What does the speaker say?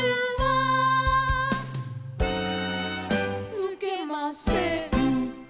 「ぬけません」